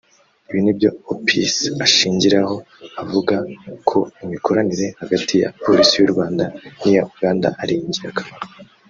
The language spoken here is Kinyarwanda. Ibi nibyo Opis ashingiraho avuga ko imikoranire hagati ya Polisi y’u Rwanda n’iya Uganda ari ingirakamaro